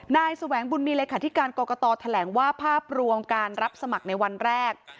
นสบมรที่การกตแถลงว่าภาพรวมการรับสมัครในวันแรก